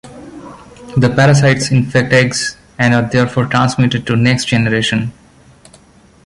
The parasites infect eggs and are therefore transmitted to next generation.